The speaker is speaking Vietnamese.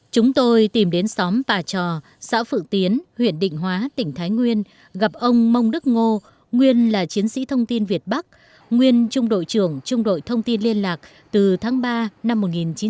chúng tôi tìm đến xóm pà trò xã phự tiến huyện định hóa tỉnh thái nguyên gặp ông mông đức ngô nguyên là chiến sĩ thông tin việt bắc nguyên trung đội trưởng trung đội thông tin liên lạc từ tháng ba năm một nghìn chín trăm bảy mươi